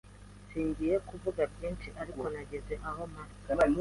Singiye kuvuga byinshi ariko nageze ahomara